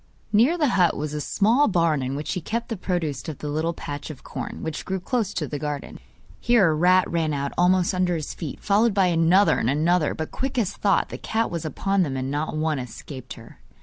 Near the hut was a small barn in which he kept the produce of the little patch of corn, which grew close to the garden. Here a rat ran out almost under his feet, followed by another and another; but quick as thought the cat was upon them and not one escaped her.